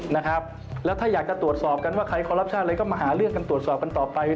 นะครับแล้วถ้าอยากจะตรวจสอบกันว่าใครขอรับชาติอะไรก็มาหาเรื่องกันตรวจสอบกันต่อไป